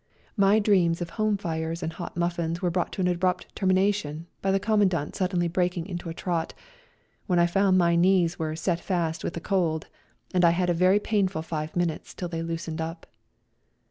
My dreams of home fires and hot muffins were brought to an abrupt termination by the Commandant suddenly breaking into a trot, when I found my knees were " set fast " with the cold, and I had a very painful five minutes till they loosened up.